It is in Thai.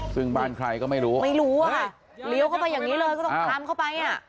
ซึ่งบ้านใครก็ไม่รู้ไม่รู้อะค่ะเลี้ยวเข้าไปอย่างนี้เลยก็ต้องตามเข้าไปอ่ะ